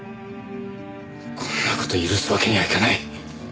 こんな事許すわけにはいかない。